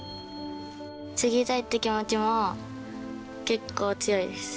継ぎたいって気持ちも結構強いです。